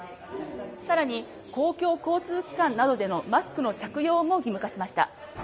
さらに公共交通機関などでのマスクの着用も義務化しました。